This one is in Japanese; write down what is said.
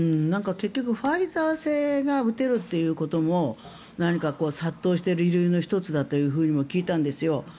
結局、ファイザー製が打てるということも何か殺到している理由の１つだとも聞いたんですよ。